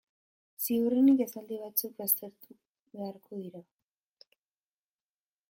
Ziurrenik esaldi batzuk baztertu beharko dira.